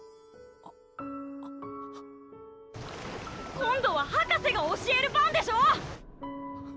今度は博士が教える番でしょ！